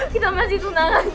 kita masih tunangang